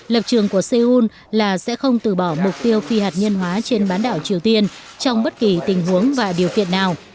lập trường của seoul là sẽ không từ bỏ mục tiêu phi hạt nhân hóa trên bán đảo triều tiên trong bất kỳ tình huống và điều kiện nào